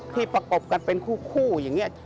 ประกบกันเป็นคู่อย่างนี้